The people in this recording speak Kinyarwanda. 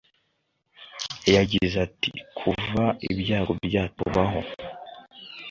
yagize ati “Kuva ibyago byatubaho